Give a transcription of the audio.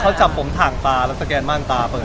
เขาจับผมถ่างตาแล้วสแกนม่านตาเปิด